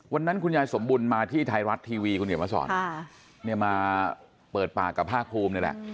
วันนั้นคุณยายสมบุญมาที่ไทยรัฐทีวีคุณเหนียวมาสอนมาเปิดปากกับภาคภูมินี่แหละ